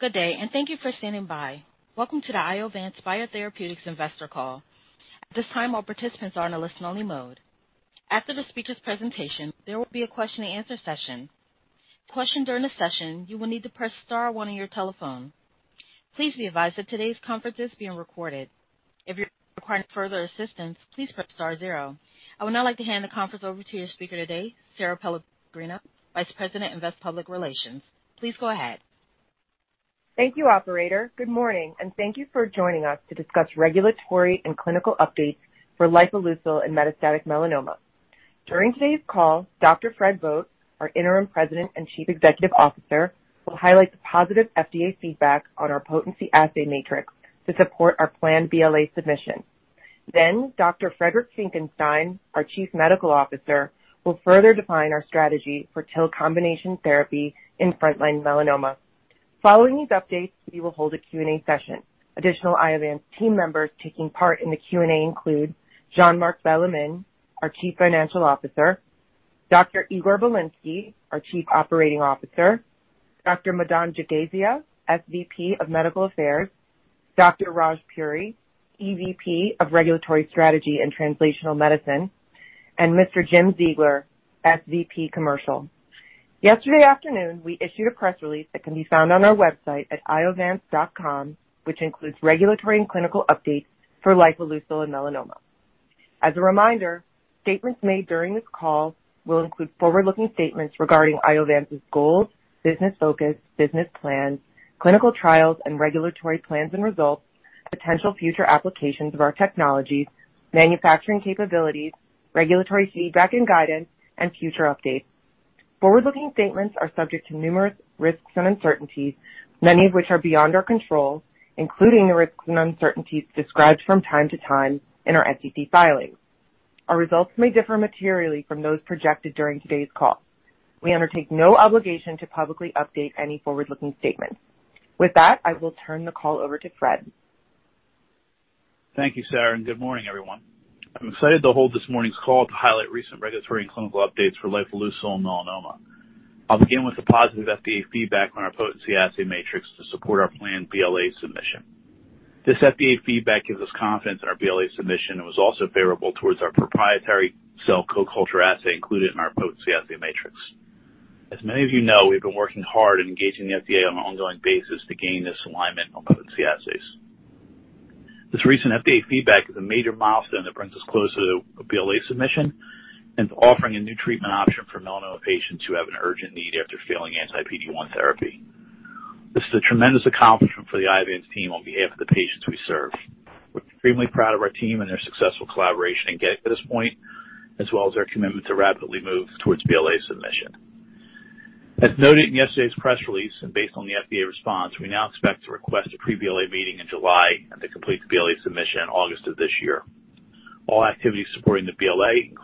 Good day, and thank you for standing by. Welcome to the Iovance Biotherapeutics Investor Call. At this time, all participants are in a listen-only mode. After the speaker's presentation, there will be a question and answer session. To ask a question during the session, you will need to press star one on your telephone. Please be advised that today's conference is being recorded. If you require further assistance, please press star zero. I would now like to hand the conference over to your speaker today, Sara Pellegrino, Vice President of Investor Relations. Please go ahead. Thank you, operator. Good morning, and thank you for joining us to discuss regulatory and clinical updates for lifileucel in metastatic melanoma. During today's call, Dr. Frederick Vogt, our Interim President and Chief Executive Officer, will highlight the positive FDA feedback on our potency assay matrix to support our planned BLA submission. Then Dr. Friedrich Finckenstein, our Chief Medical Officer, will further define our strategy for TIL combination therapy in frontline melanoma. Following these updates, we will hold a Q&A session. Additional Iovance team members taking part in the Q&A include Jean-Marc Bellemin, our Chief Financial Officer, Dr. Igor Bilinsky, our Chief Operating Officer, Dr. Madan Jagasia, SVP of Medical Affairs, Dr. Raj Puri, EVP of Regulatory Strategy and Translational Medicine, and Mr. Jim Ziegler, SVP Commercial. Yesterday afternoon, we issued a press release that can be found on our website at iovance.com, which includes regulatory and clinical updates for lifileucel and melanoma. As a reminder, statements made during this call will include forward-looking statements regarding Iovance's goals, business focus, business plans, clinical trials and regulatory plans and results, potential future applications of our technologies, manufacturing capabilities, regulatory feedback and guidance, and future updates. Forward-looking statements are subject to numerous risks and uncertainties, many of which are beyond our control, including the risks and uncertainties described from time to time in our SEC filings. Our results may differ materially from those projected during today's call. We undertake no obligation to publicly update any forward-looking statement. With that, I will turn the call over to Fred. Thank you, Sarah, and good morning, everyone. I'm excited to hold this morning's call to highlight recent regulatory and clinical updates for lifileucel and melanoma. I'll begin with the positive FDA feedback on our potency assay matrix to support our planned BLA submission. This FDA feedback gives us confidence in our BLA submission and was also favorable towards our proprietary cell co-culture assay included in our potency assay matrix. As many of you know, we've been working hard at engaging the FDA on an ongoing basis to gain this alignment on potency assays. This recent FDA feedback is a major milestone that brings us closer to a BLA submission and to offering a new treatment option for melanoma patients who have an urgent need after failing anti-PD-1 therapy. This is a tremendous accomplishment for the Iovance team on behalf of the patients we serve. We're extremely proud of our team and their successful collaboration in getting to this point, as well as their commitment to rapidly move towards BLA submission. As noted in yesterday's press release and based on the FDA response, we now expect to request a pre-BLA meeting in July and the complete BLA submission August of this year. All activities supporting the BLA,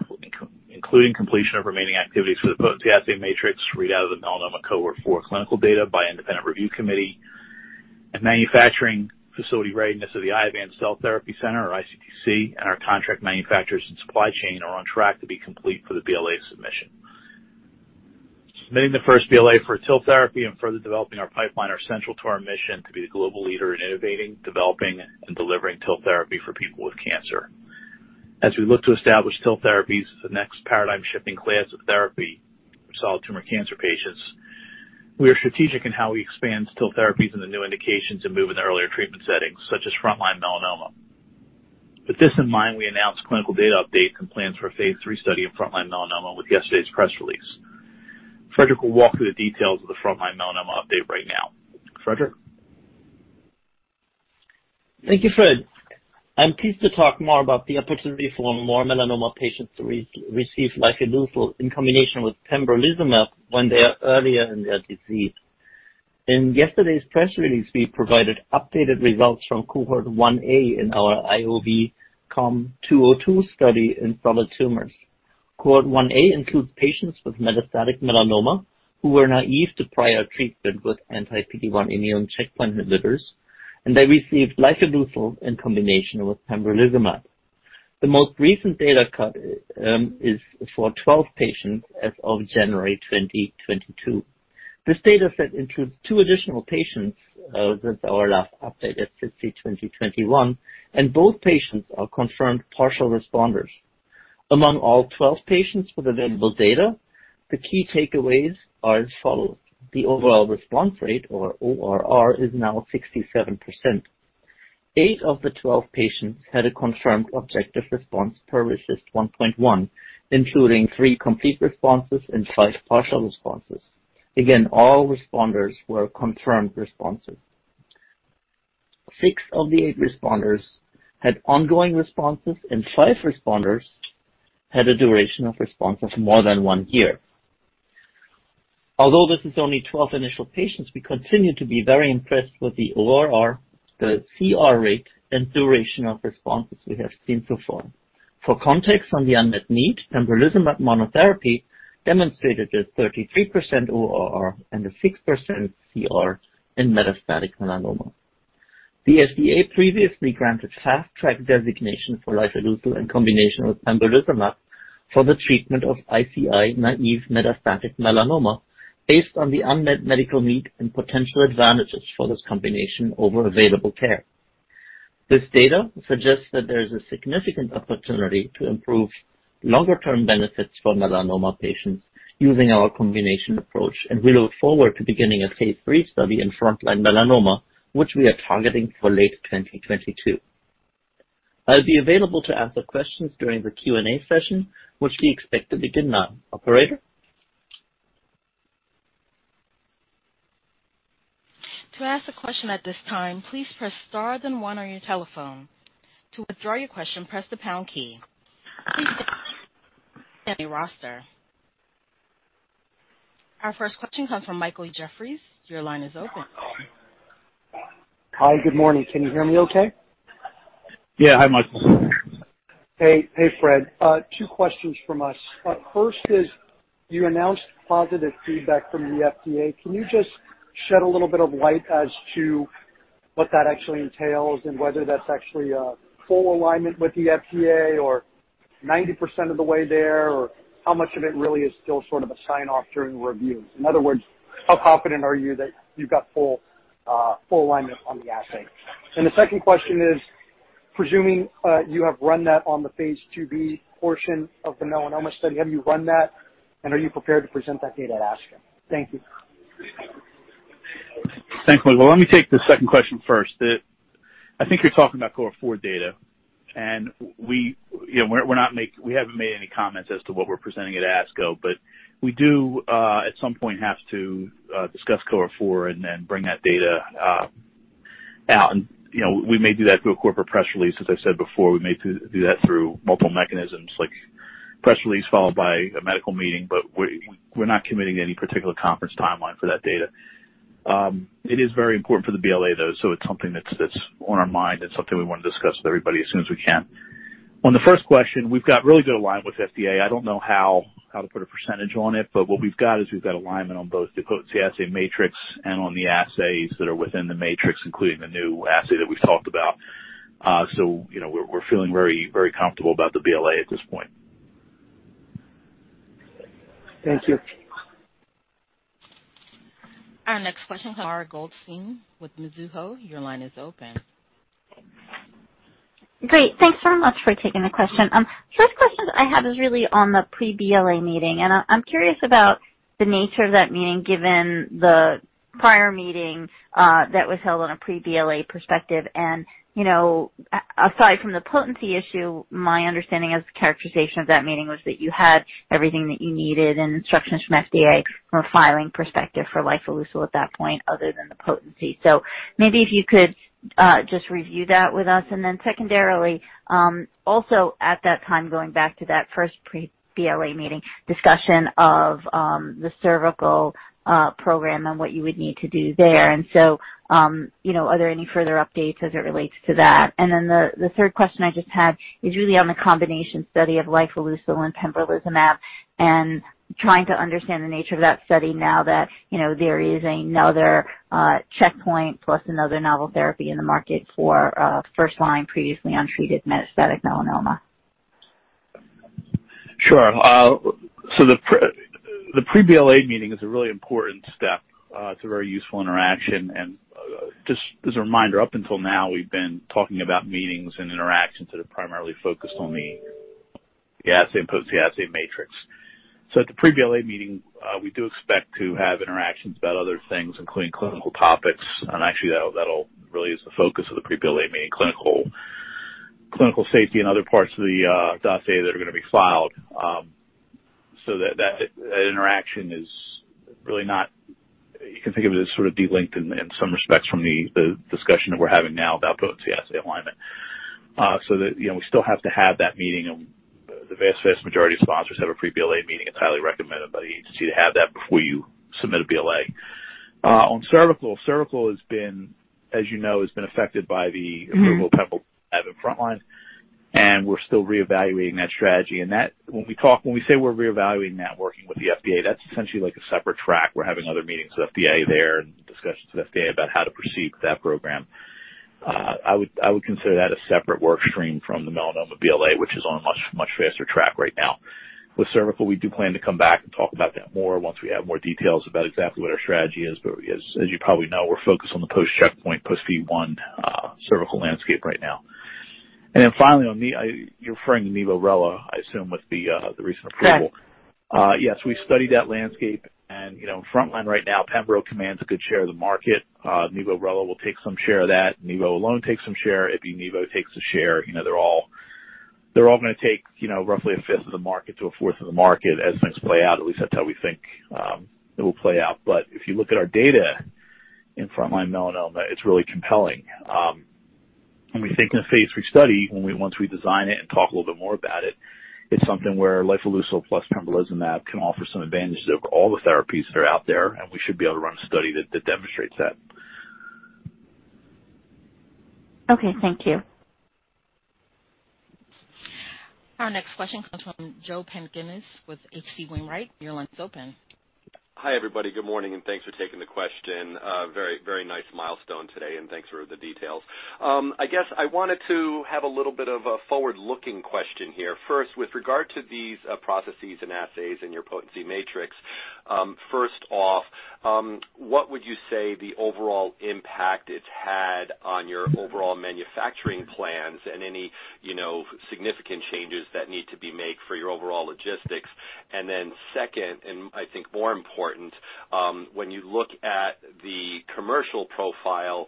including completion of remaining activities for the potency assay matrix, read out of the melanoma cohort for clinical data by independent review committee and manufacturing facility readiness of the Iovance Cell Therapy Center, or iCTC, and our contract manufacturers and supply chain are on track to be complete for the BLA submission. Submitting the first BLA for TIL therapy and further developing our pipeline are central to our mission to be the global leader in innovating, developing, and delivering TIL therapy for people with cancer. As we look to establish TIL therapies as the next paradigm-shifting class of therapy for solid tumor cancer patients, we are strategic in how we expand TIL therapies into new indications and move into earlier treatment settings such as frontline melanoma. With this in mind, we announced clinical data updates and plans for a phase III study in frontline melanoma with yesterday's press release. Friedrich will walk through the details of the frontline melanoma update right now. Friedrich? Thank you, Fred. I'm pleased to talk more about the opportunity for more melanoma patients to receive lifileucel in combination with pembrolizumab when they are earlier in their disease. In yesterday's press release, we provided updated results from Cohort 1A in our IOV-COM-202 study in solid tumors. Cohort 1A includes patients with metastatic melanoma who were naive to prior treatment with anti-PD-1 immune checkpoint inhibitors, and they received lifileucel in combination with pembrolizumab. The most recent data cut is for 12 patients as of January 2022. This data set includes two additional patients since our last update at SITC 2021, and both patients are confirmed partial responders. Among all 12 patients with available data, the key takeaways are as follows. The overall response rate, or ORR, is now 67%. Eight of the 12 patients had a confirmed objective response per RECIST 1.1, including three complete responses and five partial responses. Again, all responders were confirmed responses. Six of the eight responders had ongoing responses, and five responders had a duration of response of more than one year. Although this is only 12 initial patients, we continue to be very impressed with the ORR, the CR rate, and duration of responses we have seen so far. For context on the unmet need, pembrolizumab monotherapy demonstrated a 33% ORR and a 6% CR in metastatic melanoma. The FDA previously granted Fast Track designation for lifileucel in combination with pembrolizumab for the treatment of ICI-naive metastatic melanoma based on the unmet medical need and potential advantages for this combination over available care. This data suggests that there is a significant opportunity to improve longer term benefits for melanoma patients using our combination approach, and we look forward to beginning a phase III study in frontline melanoma, which we are targeting for late 2022. I'll be available to answer questions during the Q&A session, which we expect to begin now. Operator? To ask a question at this time, please press star then one on your telephone. To withdraw your question, press the pound key. Our first question comes from Michael Jeffries. Your line is open. Hi. Good morning. Can you hear me okay? Yeah. Hi, Michael. Hey. Hey, Fred. Two questions from us. First is you announced positive feedback from the FDA. Can you just shed a little bit of light as to what that actually entails and whether that's actually a full alignment with the FDA or 90% of the way there, or how much of it really is still sort of a sign-off during reviews. In other words, how confident are you that you've got full alignment on the assay? The second question is, presuming you have run that on the phase 2b portion of the melanoma study, have you run that and are you prepared to present that data at ASCO? Thank you. Thanks, Michael. Let me take the second question first. I think you're talking about Cohort 4 data, and you know, we haven't made any comments as to what we're presenting at ASCO, but we do at some point have to discuss Cohort 4 and then bring that data out and, you know, we may do that through a corporate press release. As I've said before, we may do that through multiple mechanisms, like press release followed by a medical meeting. We're not committing to any particular conference timeline for that data. It is very important for the BLA, though, so it's something that's on our mind. It's something we wanna discuss with everybody as soon as we can. On the first question, we've got really good alignment with FDA. I don't know how to put a percentage on it, but what we've got is alignment on both the potency assay matrix and on the assays that are within the matrix, including the new assay that we've talked about. You know, we're feeling very, very comfortable about the BLA at this point. Thank you. Our next question comes from Mara Goldstein with Mizuho. Your line is open. Great. Thanks so much for taking the question. First question I have is really on the pre-BLA meeting, and I'm curious about the nature of that meeting, given the prior meeting that was held on a pre-BLA perspective. You know, aside from the potency issue, my understanding of the characterization of that meeting was that you had everything that you needed and instructions from FDA from a filing perspective for lifileucel at that point other than the potency. Maybe if you could just review that with us. Then secondarily, also at that time, going back to that first pre-BLA meeting discussion of the cervical program and what you would need to do there. You know, are there any further updates as it relates to that? The third question I just had is really on the combination study of lifileucel and pembrolizumab, and trying to understand the nature of that study now that, you know, there is another checkpoint plus another novel therapy in the market for first line previously untreated metastatic melanoma. Sure. The pre-BLA meeting is a really important step. It's a very useful interaction. Just as a reminder, up until now we've been talking about meetings and interactions that are primarily focused on the potency assay and potency assay matrix. At the pre-BLA meeting, we do expect to have interactions about other things, including clinical topics. Actually that'll really is the focus of the pre-BLA meeting, clinical safety and other parts of the dossier that are gonna be filed. That interaction is really not, you can think of it as sort of de-linked in some respects from the discussion that we're having now about potency assay alignment. You know, we still have to have that meeting. The vast majority of sponsors have a pre-BLA meeting. It's highly recommended by the agency to have that before you submit a BLA. On cervical. Cervical has been, as you know, affected by the approval of pembro as a frontline, and we're still reevaluating that strategy and that when we talk, when we say we're reevaluating that working with the FDA, that's essentially like a separate track. We're having other meetings with FDA there and discussions with FDA about how to proceed with that program. I would consider that a separate work stream from the melanoma BLA, which is on a much, much faster track right now. With cervical, we do plan to come back and talk about that more once we have more details about exactly what our strategy is. As you probably know, we're focused on the post-checkpoint, post-PD-1 cervical landscape right now. Finally on Nivo-Rela, you're referring to Nivo-Rela, I assume, with the recent approval. Correct. Yes, we studied that landscape. You know, in frontline right now, pembro commands a good share of the market. Nivo-Rela will take some share of that. Nivo alone takes some share. Ipi-Nivo takes a share. You know, they're all gonna take, you know, roughly a fifth of the market to a fourth of the market as things play out. At least that's how we think it will play out. If you look at our data in frontline melanoma, it's really compelling. When we think in a phase III study, once we design it and talk a little bit more about it's something where lifileucel plus pembrolizumab can offer some advantages over all the therapies that are out there, and we should be able to run a study that demonstrates that. Okay. Thank you. Our next question comes from Joseph Pantginis with H.C. Wainwright. Your line is open. Hi, everybody. Good morning, and thanks for taking the question. Very nice milestone today, and thanks for the details. I guess I wanted to have a little bit of a forward-looking question here. First, with regard to these processes and assays in your potency matrix, first off, what would you say the overall impact it's had on your overall manufacturing plans and any, you know, significant changes that need to be made for your overall logistics? Second, and I think more important, when you look at the commercial profile,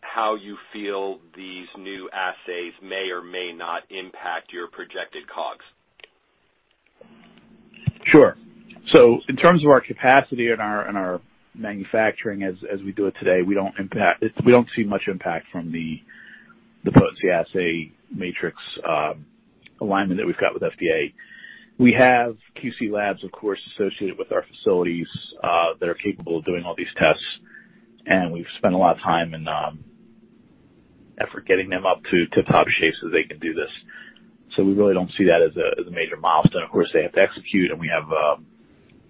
how you feel these new assays may or may not impact your projected COGS. Sure. In terms of our capacity and our manufacturing as we do it today, we don't see much impact from the potency assay matrix alignment that we've got with FDA. We have QC labs, of course, associated with our facilities that are capable of doing all these tests, and we've spent a lot of time and effort getting them up to tip-top shape so they can do this. We really don't see that as a major milestone. Of course, they have to execute, and we have,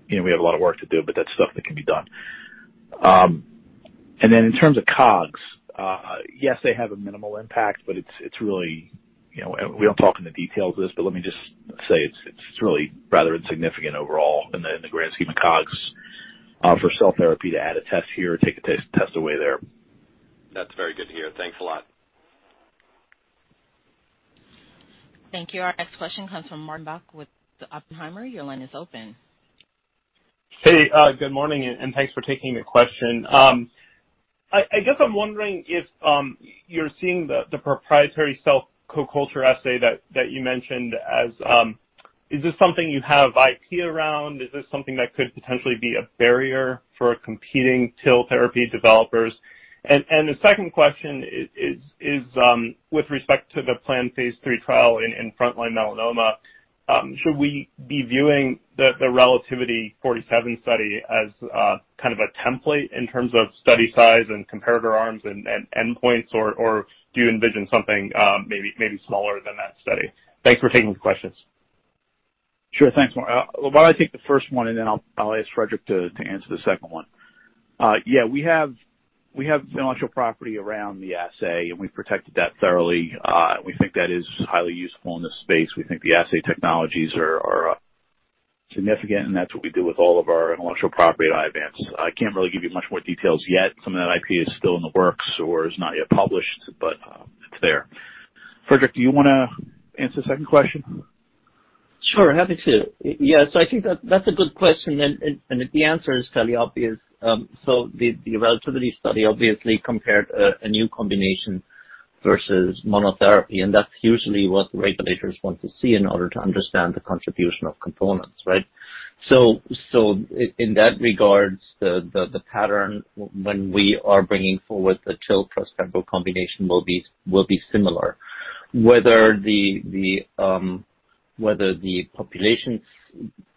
you know, a lot of work to do, but that's stuff that can be done. In terms of COGS, yes, they have a minimal impact, but it's really, you know. We don't go into details of this, but let me just say it's really rather insignificant overall in the grand scheme of COGS for cell therapy to add a test here, take a test away there. That's very good to hear. Thanks a lot. Thank you. Our next question comes from Mark Breidenbach with the Oppenheimer. Your line is open. Hey, good morning, and thanks for taking the question. I guess I'm wondering if you're seeing the proprietary cell co-culture assay that you mentioned as, is this something you have IP around? Is this something that could potentially be a barrier for competing TIL therapy developers? The second question is, with respect to the planned phase III trial in front-line melanoma, should we be viewing the RELATIVITY-047 study as kind of a template in terms of study size and comparator arms and endpoints? Or do you envision something maybe smaller than that study? Thanks for taking the questions. Sure. Thanks, Mark. Well, why don't I take the first one, and then I'll ask Friedrich to answer the second one. Yeah, we have intellectual property around the assay, and we've protected that thoroughly. We think that is highly useful in this space. We think the assay technologies are significant, and that's what we do with all of our intellectual property at Iovance. I can't really give you much more details yet. Some of that IP is still in the works or is not yet published, but it's there. Friedrich, do you wanna answer the second question? Sure. Happy to. Yes, I think that's a good question, and the answer is fairly obvious. So the Relativity study obviously compared a new combination versus monotherapy, and that's usually what the regulators want to see in order to understand the contribution of components, right? In that regard, the pattern when we are bringing forward the TIL plus pembro combination will be similar. Whether the populations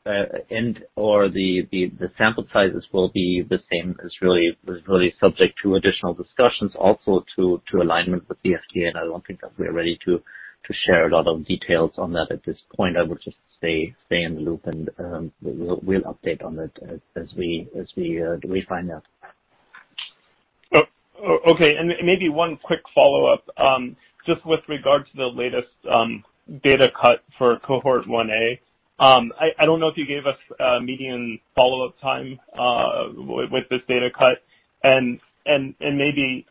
and/or the sample sizes will be the same is really subject to additional discussions, also to alignment with the FDA. I don't think that we're ready to share a lot of details on that at this point. I would just say stay in the loop and we'll update on it as we find out. Okay. Maybe one quick follow-up, just with regard to the latest data cut for Cohort 1-A. I don't know if you gave us a median follow-up time with this data cut. Maybe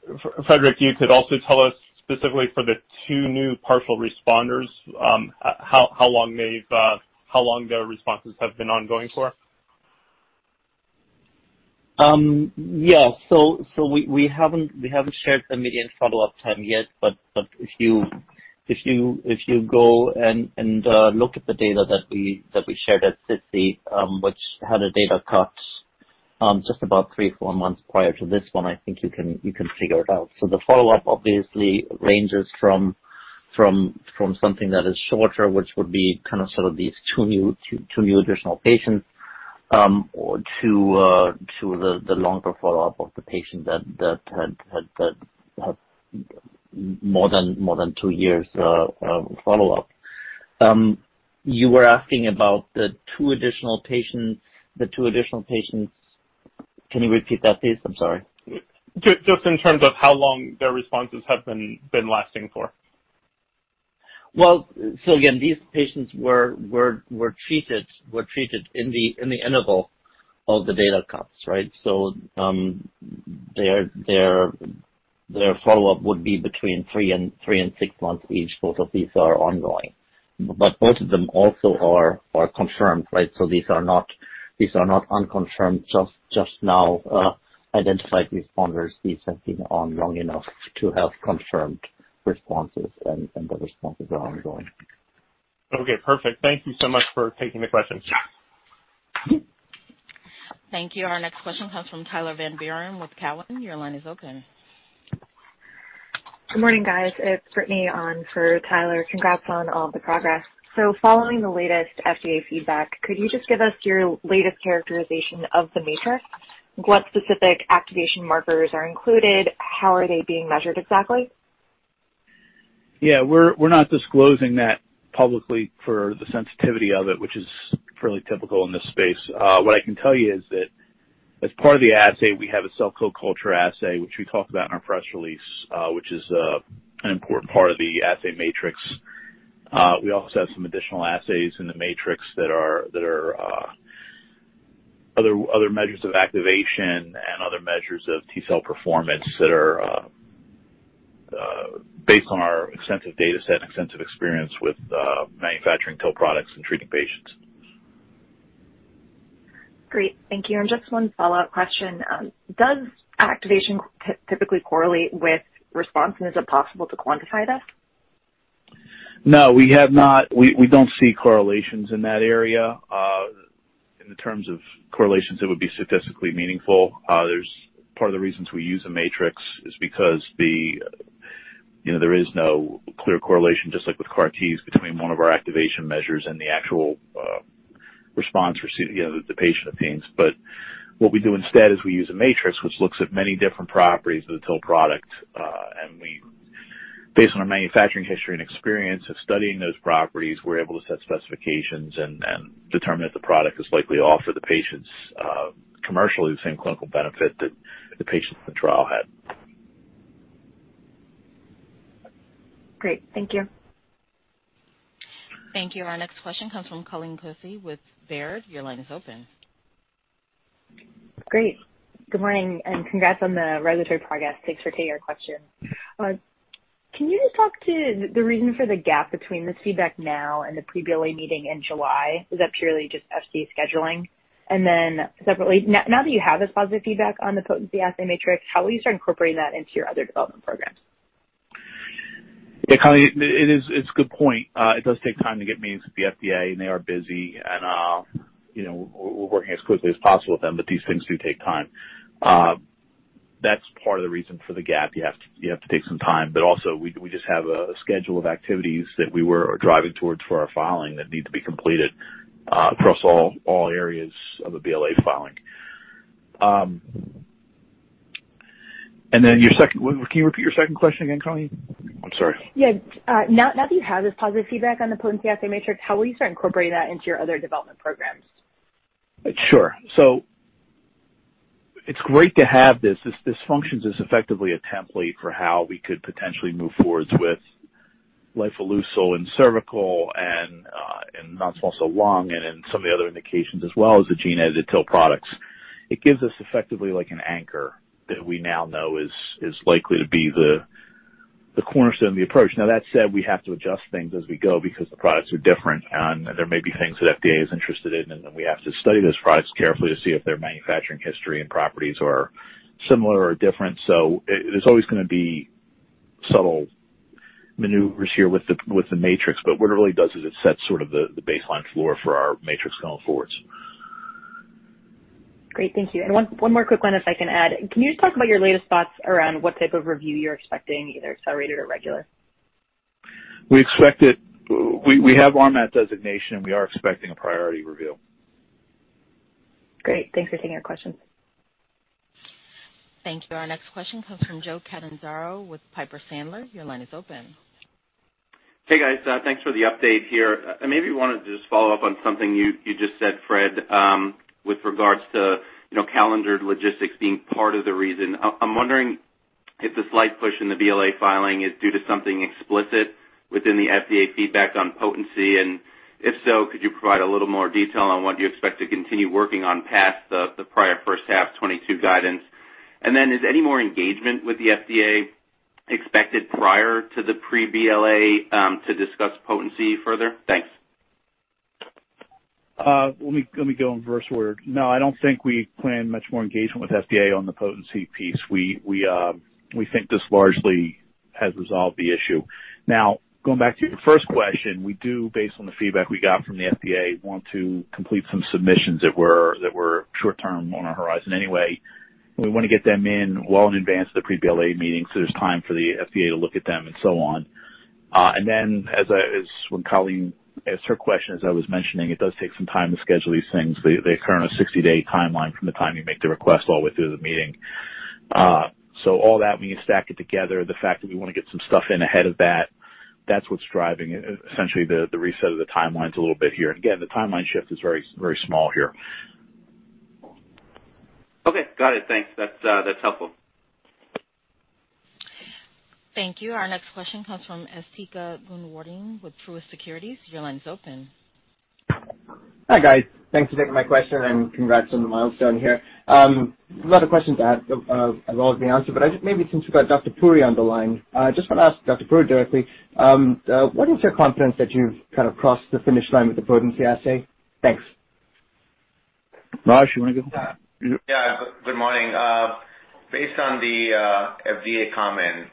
Frederick, you could also tell us specifically for the two new partial responders, how long their responses have been ongoing for. Yeah. We haven't shared the median follow-up time yet. If you go and look at the data that we shared at SITC, which had a data cut just about three to four months prior to this one, I think you can figure it out. The follow-up obviously ranges from something that is shorter, which would be kind of some of these two new additional patients, to the longer follow-up of the patient that had more than two years' follow-up. You were asking about the two additional patients. Can you repeat that, please? I'm sorry. Just in terms of how long their responses have been lasting for. Well, again, these patients were treated in the interval of the data cuts, right? Their follow-up would be between three and six months each. Both of these are ongoing. Both of them also are confirmed, right? These are not unconfirmed, just now identified responders. These have been on long enough to have confirmed responses, and the responses are ongoing. Okay, perfect. Thank you so much for taking the questions. Thank you. Our next question comes from Tyler Van Buren with TD Cowen. Your line is open. Good morning, guys. It's Uncertain on for Tyler. Congrats on all the progress following the latest FDA feedback, could you just give us your latest characterization of the matrix? What specific activation markers are included? How are they being measured exactly? Yeah, we're not disclosing that publicly for the sensitivity of it, which is fairly typical in this space. What I can tell you is that as part of the assay, we have a cell co-culture assay, which we talked about in our press release, which is an important part of the assay matrix. We also have some additional assays in the matrix that are other measures of activation and other measures of T-cell performance that are based on our extensive data set, extensive experience with manufacturing TIL products and treating patients. Great. Thank you. Just one follow-up question. Does activation typically correlate with response, and is it possible to quantify this? No, we have not. We don't see correlations in that area, in the terms of correlations that would be statistically meaningful. There's part of the reasons we use a matrix is because the, you know, there is no clear correlation, just like with CAR T between one of our activation measures and the actual response received, you know, that the patient obtains. But what we do instead is we use a matrix which looks at many different properties of the TIL product, and we, based on our manufacturing history and experience of studying those properties, we're able to set specifications and determine if the product is likely to offer the patients commercially the same clinical benefit that the patients in the trial had. Great. Thank you. Thank you. Our next question comes from Colleen Kusy with Baird. Your line is open. Great. Good morning and congrats on the regulatory progress. Thanks for taking our question. Can you just talk to the reason for the gap between this feedback now and the pre-BLA meeting in July? Is that purely just FDA scheduling? Separately, now that you have this positive feedback on the potency assay matrix, how will you start incorporating that into your other development programs? Yeah, Colleen, it is. It's a good point. It does take time to get meetings with the FDA, and they are busy and, you know, we're working as quickly as possible with them, but these things do take time. That's part of the reason for the gap. You have to take some time, but also we just have a schedule of activities that we were driving towards for our filing that need to be completed, across all areas of the BLA filing. And then your second. Can you repeat your second question again, Colleen? I'm sorry. Yeah. Now that you have this positive feedback on the potency assay matrix, how will you start incorporating that into your other development programs? Sure. It's great to have this. This functions as effectively a template for how we could potentially move forward with lifileucel in cervical and in non-small cell lung and in some of the other indications as well as the gene-edited TIL products. It gives us effectively like an anchor that we now know is likely to be the cornerstone of the approach. Now, that said, we have to adjust things as we go because the products are different and there may be things that FDA is interested in, and then we have to study those products carefully to see if their manufacturing history and properties are similar or different. There's always gonna be subtle maneuvers here with the matrix. But what it really does is it sets sort of the baseline floor for our matrix going forward. Great. Thank you. One more quick one if I can add. Can you just talk about your latest thoughts around what type of review you're expecting, either accelerated or regular? We expect it. We have RMAT designation. We are expecting a priority review. Great. Thanks for taking our questions. Thank you. Our next question comes from Joseph Catanzaro with Piper Sandler. Your line is open. Hey, guys. Thanks for the update here. I maybe wanted to just follow up on something you just said, Fred, with regards to calendared logistics being part of the reason. I'm wondering if the slight push in the BLA filing is due to something explicit within the FDA feedback on potency, and if so, could you provide a little more detail on what you expect to continue working on past the prior first half 2022 guidance? And then is any more engagement with the FDA expected prior to the pre-BLA to discuss potency further? Thanks. Let me go in reverse order. No, I don't think we plan much more engagement with FDA on the potency piece. We think this largely has resolved the issue. Now, going back to your first question, we do, based on the feedback we got from the FDA, want to complete some submissions that were short term on our horizon anyway. We want to get them in well in advance of the pre-BLA meeting, so there's time for the FDA to look at them and so on. Then as when Colleen asked her question, as I was mentioning, it does take some time to schedule these things. They occur on a 60-day timeline from the time you make the request all the way through to the meeting. All that, when you stack it together, the fact that we wanna get some stuff in ahead of that's what's driving essentially the reset of the timelines a little bit here. Again, the timeline shift is very, very small here. Okay. Got it. Thanks. That's helpful. Thank you. Our next question comes from Asthika Goonewardene with Truist Securities. Your line is open. Hi, guys. Thanks for taking my question, and congrats on the milestone here. A lot of questions have been answered, but I just, maybe since we've got Dr. Puri on the line, just want to ask Dr. Puri directly, what is your confidence that you've kind of crossed the finish line with the potency assay? Thanks. Raj, you wanna go? Yeah. Good morning. Based on the FDA comment,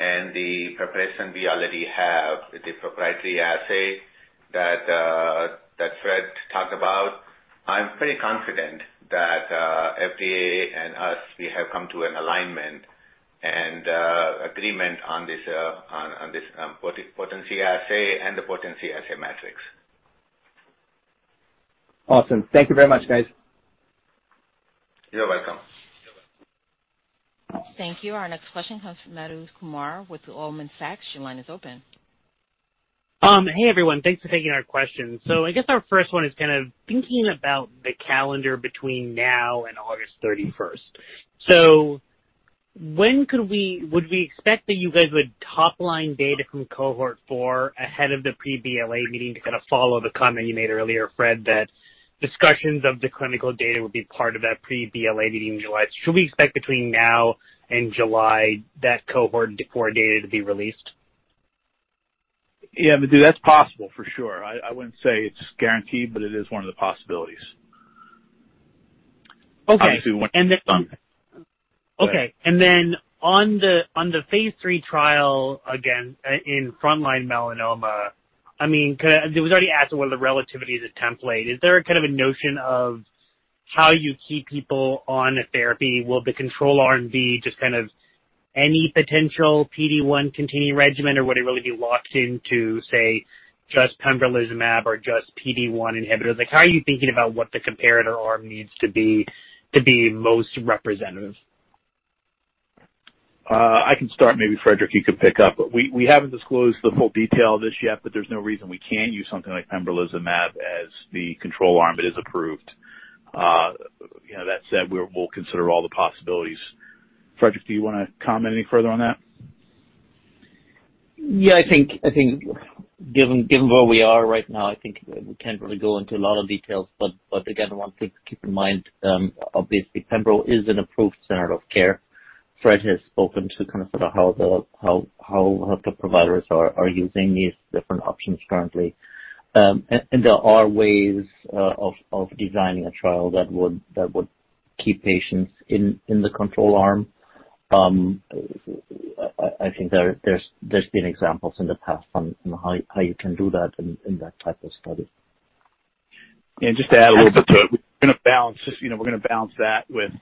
and the preparation we already have with the proprietary assay that Fred talked about, I'm pretty confident that FDA and us, we have come to an alignment. Agreement on this potency assay and the potency assay metrics. Awesome. Thank you very much, guys. You're welcome. Thank you. Our next question comes from Madhu Kumar with Goldman Sachs. Your line is open. Hey, everyone. Thanks for taking our question. I guess our first one is kind of thinking about the calendar between now and August 31st. When would we expect that you guys would top-line data from Cohort 4 ahead of the pre-BLA meeting to kind of follow the comment you made earlier, Fred, that discussions of the clinical data would be part of that pre-BLA meeting in July. Should we expect between now and July that Cohort 4 data to be released? Yeah, Madhu, that's possible for sure. I wouldn't say it's guaranteed, but it is one of the possibilities. Okay. Obviously one. On the phase III trial, again, in frontline melanoma, I mean, kinda it was already asked what the RELATIVITY-047 as a template. Is there a kind of a notion of how you keep people on a therapy? Will the control arm be just kind of any potential PD-1 containing regimen, or would it really be locked into, say, just pembrolizumab or just PD-1 inhibitor? Like, how are you thinking about what the comparator arm needs to be to be most representative? I can start, maybe Friedrich you can pick up. We haven't disclosed the full detail of this yet, but there's no reason we can't use something like pembrolizumab as the control arm. It is approved. You know, that said, we'll consider all the possibilities. Friedrich, do you wanna comment any further on that? I think given where we are right now, I think we can't really go into a lot of details. But again, one thing to keep in mind, obviously pembro is an approved standard of care. Fred has spoken to kind of sort of how the providers are using these different options currently. And there are ways of designing a trial that would keep patients in the control arm. I think there's been examples in the past on how you can do that in that type of study. Just to add a little bit to it, we're gonna balance this, you know, we're gonna balance that with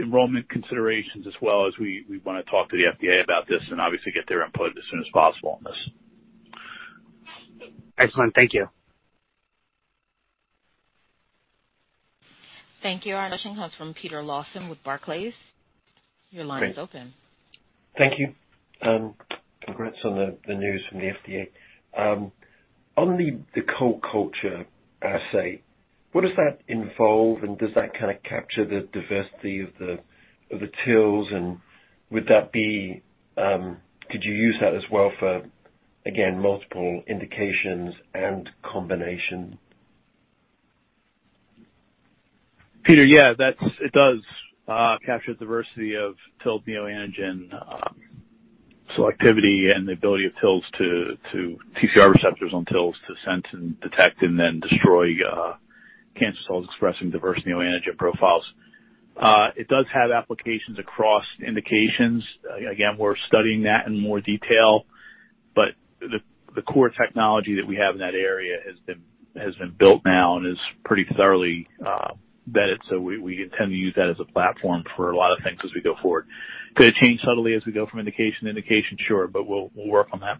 enrollment considerations as well, as we wanna talk to the FDA about this and obviously get their input as soon as possible on this. Excellent. Thank you. Thank you. Our next question comes from Peter Lawson with Barclays. Thanks. Your line is open. Thank you. Congrats on the news from the FDA. On the co-culture assay, what does that involve? Does that kinda capture the diversity of the TILs? Would that be. Could you use that as well for again multiple indications and combination? Peter, yeah, that's it does capture the diversity of TIL neoantigen selectivity and the ability of TILs to TCR receptors on TILs to sense and detect and then destroy cancer cells expressing diverse neoantigen profiles. It does have applications across indications. We're studying that in more detail, but the core technology that we have in that area has been built now and is pretty thoroughly vetted. We intend to use that as a platform for a lot of things as we go forward. Could it change subtly as we go from indication to indication? Sure. We'll work on that.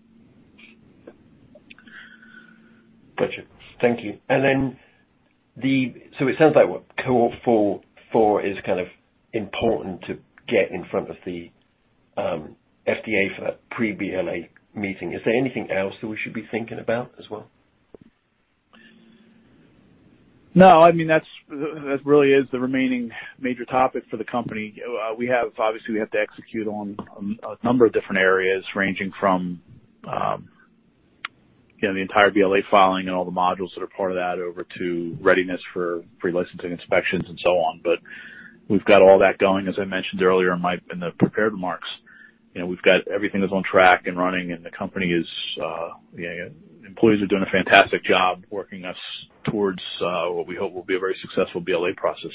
Gotcha. Thank you. It sounds like Cohort 4 is kind of important to get in front of the FDA for that pre-BLA meeting. Is there anything else that we should be thinking about as well? No, I mean, that's really the remaining major topic for the company. We have, obviously, to execute on a number of different areas ranging from, you know, the entire BLA filing and all the modules that are part of that over to readiness for pre-licensing inspections and so on. We've got all that going. As I mentioned earlier in my prepared remarks, you know, we've got everything is on track and running and the company is, you know, employees are doing a fantastic job working us towards what we hope will be a very successful BLA process.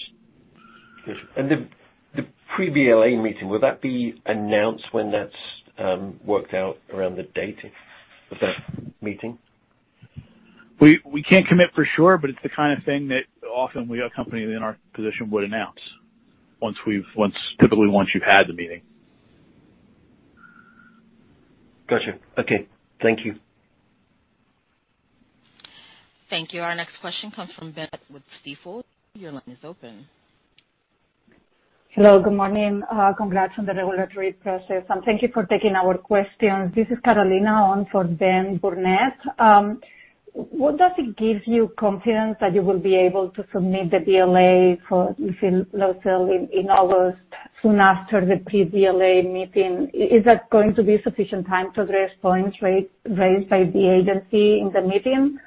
The pre-BLA meeting, will that be announced when that's worked out around the date of that meeting? We can't commit for sure, but it's the kind of thing that often a company in our position would announce, typically once you've had the meeting. Gotcha. Okay. Thank you. Thank you. Our next question comes from Ben with Stifel. Your line is open. Hello, good morning. Congrats on the regulatory process, and thank you for taking our questions. This is Carolina on for Ben Burnett. What does it give you confidence that you will be able to submit the BLA for lifileucel in August soon after the pre-BLA meeting? Is that going to be sufficient time to address points raised by the agency in the meeting?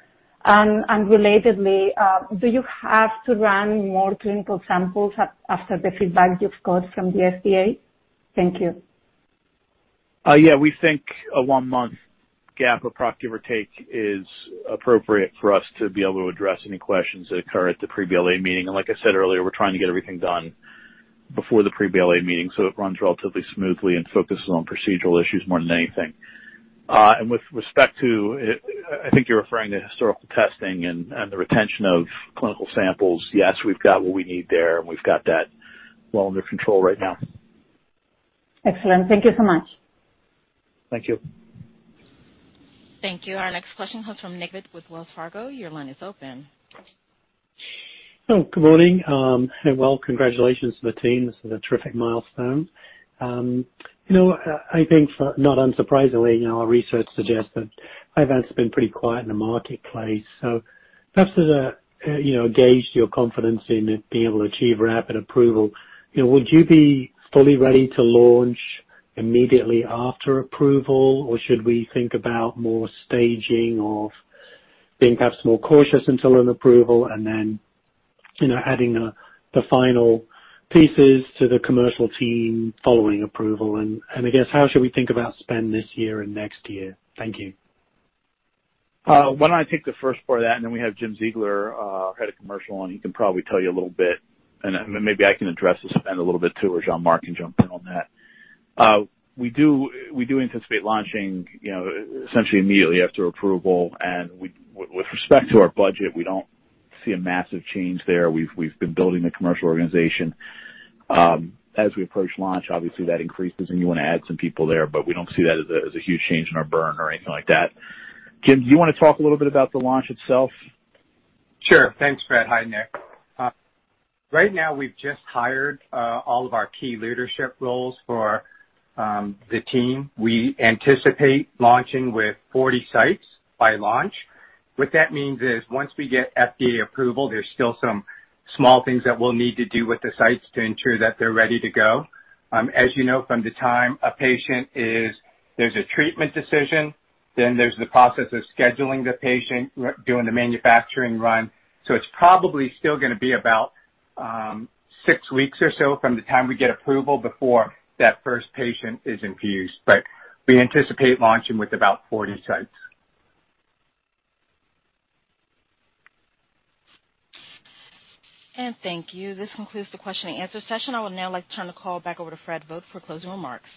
And relatedly, do you have to run more clinical samples after the feedback you've got from the FDA? Thank you. Yeah. We think a one-month gap, approximate give or take, is appropriate for us to be able to address any questions that occur at the pre-BLA meeting. Like I said earlier, we're trying to get everything done before the pre-BLA meeting, so it runs relatively smoothly and focuses on procedural issues more than anything. With respect to, I think you're referring to historical testing and the retention of clinical samples. Yes, we've got what we need there, and we've got that well under control right now. Excellent. Thank you so much. Thank you. Thank you. Our next question comes from uncertain with Wells Fargo. Your line is open. Good morning. Well, congratulations to the team. This is a terrific milestone. I think, and not unsurprisingly, our research suggests that Iovance has been pretty quiet in the marketplace. So just as a gauge your confidence in it being able to achieve rapid approval, would you be fully ready to launch immediately after approval? Or should we think about more staging or being perhaps more cautious until an approval and then adding the final pieces to the commercial team following approval? I guess, how should we think about spend this year and next year? Thank you. Why don't I take the first part of that, and then we have Jim Ziegler, head of commercial, and he can probably tell you a little bit, and then maybe I can address the spend a little bit too, or Jean-Marc can jump in on that. We do anticipate launching, you know, essentially immediately after approval. With respect to our budget, we don't see a massive change there. We've been building the commercial organization. As we approach launch, obviously that increases and you wanna add some people there, but we don't see that as a huge change in our burn or anything like that. Jim, do you wanna talk a little bit about the launch itself? Sure. Thanks, Fred. Hi, Nick. Right now we've just hired all of our key leadership roles for the team. We anticipate launching with 40 sites by launch. What that means is once we get FDA approval, there's still some small things that we'll need to do with the sites to ensure that they're ready to go. As you know, there's a treatment decision, then there's the process of scheduling the patient, doing the manufacturing run. It's probably still gonna be about six weeks or so from the time we get approval before that first patient is infused. We anticipate launching with about 40 sites. Thank you. This concludes the question and answer session. I would now like to turn the call back over to Frederick Vogt for closing remarks.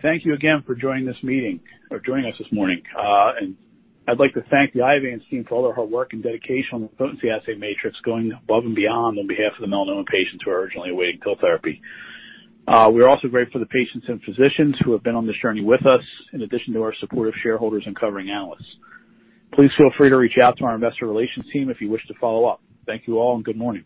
Thank you again for joining this meeting or joining us this morning. I'd like to thank the Iovance team for all of her work and dedication on the potency assay matrix, going above and beyond on behalf of the melanoma patients who are urgently awaiting cell therapy. We're also grateful to patients and physicians who have been on this journey with us, in addition to our supportive shareholders and covering analysts. Please feel free to reach out to our investor relations team if you wish to follow up. Thank you all, and Good morning.